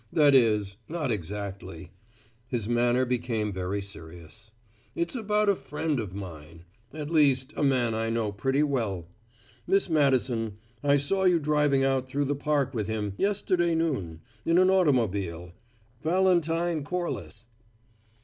"That is, not exactly." His manner became very serious. "It's about a friend of mine at least, a man I know pretty well. Miss Madison, I saw you driving out through the park with him, yesterday noon, in an automobile. Valentine Corliss."